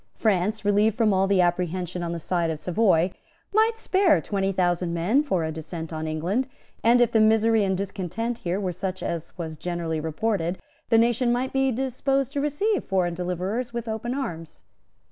France, relieved from all apprehension on the side of Savoy, might spare twenty thousand men for a descent on England; and, if the misery and discontent here were such as was generally reported, the nation might be disposed to receive foreign deliverers with open arms.